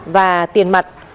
và tiền mặt